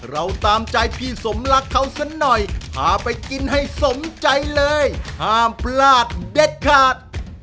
เราตามใจพี่สมรักเขาสักหน่อยพาไปกินให้สมใจเลยห้ามพลาดเด็ดขาด